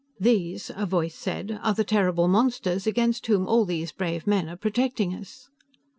"These," a voice said, "are the terrible monsters against whom all these brave men are protecting us."